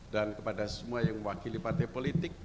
dan kepada semua yang mewakili partai politik